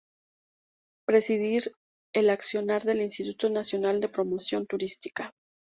Presidir el accionar del Instituto Nacional de Promoción Turística.